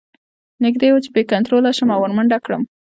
نږدې وه چې بې کنتروله شم او ور منډه کړم